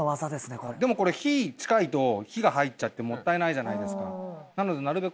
これでもこれ火近いと火が入っちゃってもったいないじゃないですかなのでなるべく